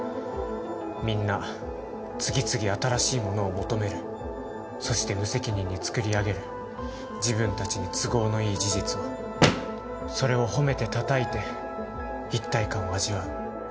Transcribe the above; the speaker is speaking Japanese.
みんな次々新しいものを求めるそして無責任に作り上げる自分達に都合のいい事実をそれを褒めてたたいて一体感を味わう